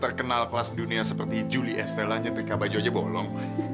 terkenal kelas dunia seperti julie estella nyetrika baju aja bolong